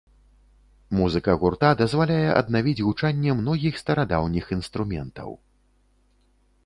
Музыка гурта дазваляе аднавіць гучанне многіх старадаўніх інструментаў.